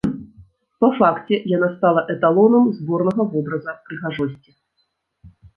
Па факце яна стала эталонам зборнага вобраза прыгажосці.